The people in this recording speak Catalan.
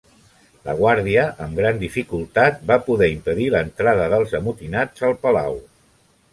La guàrdia, amb gran dificultat, va poder impedir l'entrada dels amotinats al palau.